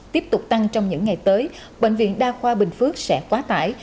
tiếp tục tăng trong những ngày tới bệnh viện đa khoa bình phước sẽ quá tải